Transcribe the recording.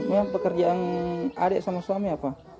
memang pekerjaan adik sama suami apa